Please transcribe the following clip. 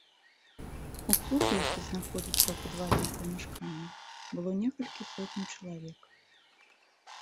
У клубе, які знаходзіцца ў падвальным памяшканні, было некалькі сотняў чалавек.